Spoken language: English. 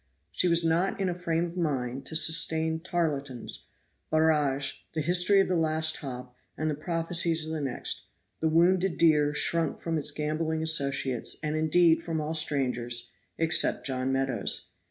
She was not in a frame of mind to sustain tarlatans, barege, the history of the last hop, and the prophecies of the next; the wounded deer shrunk from its gamboling associates, and indeed from all strangers, except John Meadows.